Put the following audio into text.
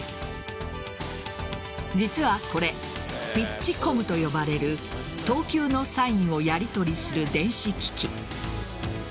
実はこれピッチコムと呼ばれる投球のサインをやりとりする電子機器。